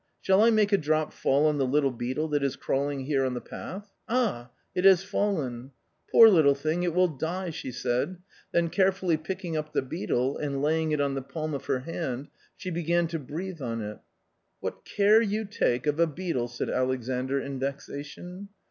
" Shall I make a drop fall on the little beetle that is crawling here on the path ?.... Ah ! it has fallen ! Poor little thing, it will die !" she said ; then carefully picking up the beetle, and laying it on the palm of her hand she began to breathe on it. " What care you take of a beetle !" said Alexandr in vexation.